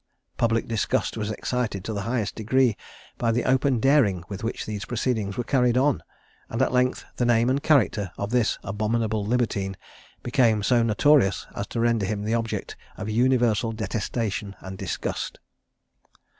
Public disgust was excited in the highest degree by the open daring with which these proceedings were carried on, and at length the name and character of this abominable libertine became so notorious as to render him the object of universal detestation and disgust.